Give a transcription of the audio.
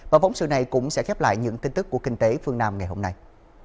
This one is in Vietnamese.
và phóng sự này cũng sẽ khép lại những tin tức của kinh tế phương nam ngày hôm nay